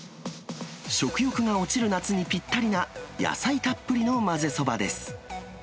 食欲が落ちる夏にぴったりな野菜たっぷりの混ぜそばです。